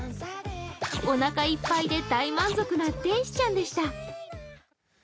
おなかいっぱいで大満足な天使ちゃんでした。